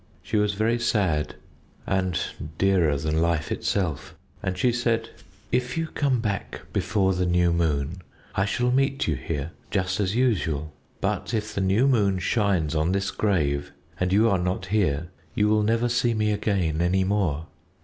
She was very sad, and dearer than life itself. And she said "'If you come back before the new moon I shall meet you here just as usual. But if the new moon shines on this grave and you are not here you will never see me again any more.'